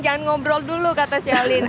jangan ngobrol dulu kata shelin